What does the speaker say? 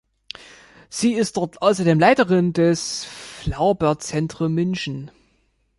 Sie ist dort außerdem Leiterin des "Flaubert-Zentrum München".